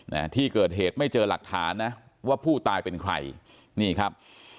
นะที่เกิดเหตุไม่เจอหลักฐานนะว่าผู้ตายเป็นใครนี่ครับ